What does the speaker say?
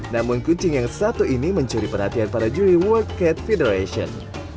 namun kucing yang satu ini mencuri perhatian para juri world cat federation